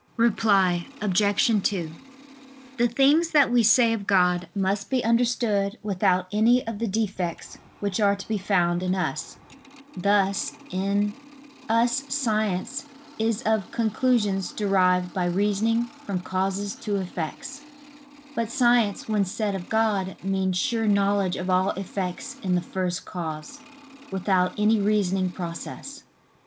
Reply Obj. 2: The things that we say of God must be understood without any of the defects which are to be found in us: thus in us science is of conclusions derived by reasoning from causes to effects: but science when said of God means sure knowledge of all effects in the First Cause, without any reasoning process.